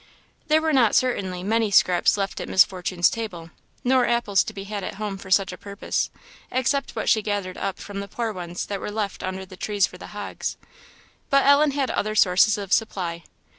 There were not, certainly, many scraps left at Miss Fortune's table; nor apples to be had at home for such a purpose, except what she gathered up from the poor ones that were left under the trees for the hogs; but Ellen had other sources of supply.